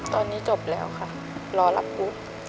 ตอนนี้จบแล้วค่ะรอรับปุ๊บ